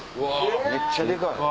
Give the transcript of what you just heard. めっちゃでかい！